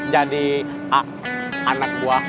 jadi a anak gua